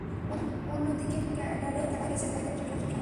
অন্যদিকে প্রশাসন ক্যাডারে যাঁরা গেছেন, তাঁদের সবার ক্ষেত্রে বিষয়টি এমন নয়।